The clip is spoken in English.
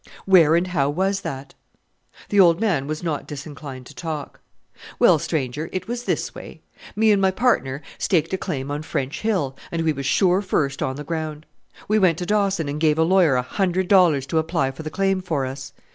"Where and how was that?" The old man was not disinclined to talk. "Well, stranger, it was this way. Me and my partner staked a claim on French Hill, and we was sure first on the ground. We went to Dawson and gave a lawyer a hundred dollars to apply for the claim for us.